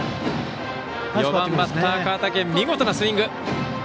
４番バッター、川竹見事なスイング！